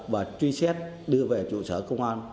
và truy xét đưa về chủ sở công an